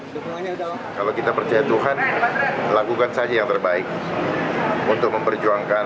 semuanya adalah kalau kita percaya tuhan lakukan saja yang terbaik untuk memperjuangkan